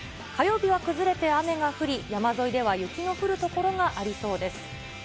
火曜日は崩れて雨が降り、山沿いでは雪の降る所がありそうです。